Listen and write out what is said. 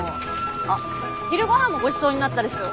あっ昼ごはんもごちそうになったでしょ？